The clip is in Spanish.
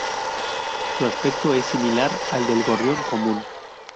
Su aspecto es similar al del gorrión común.